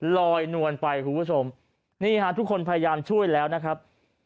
ลอยนวลไปคุณผู้ชมนี่ฮะทุกคนพยายามช่วยแล้วนะครับ